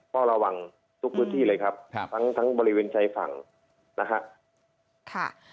เฝ้าระวังทุกทุกที่เลยครับครับทั้งทั้งบริเวณชายฝั่งนะฮะค่ะ